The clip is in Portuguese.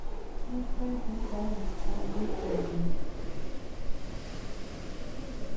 Mais tarde mudaram-se para a Rua Sanjin